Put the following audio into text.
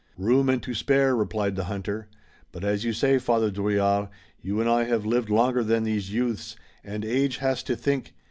"Room and to spare," replied the hunter, "but as you say, Father Drouillard, you and I have lived longer than these youths, and age has to think.